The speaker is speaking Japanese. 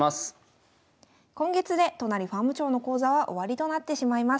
今月で都成ファーム長の講座は終わりとなってしまいます。